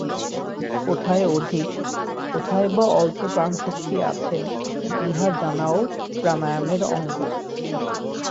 কোথায় অধিক, কোথায় বা অল্প প্রাণশক্তি আছে, ইহা জানাও প্রাণায়ামের অঙ্গ।